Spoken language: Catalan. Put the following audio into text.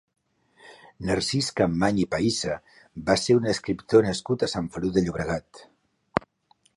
Narcís Campmany i Pahissa va ser un escriptor nascut a Sant Feliu de Llobregat.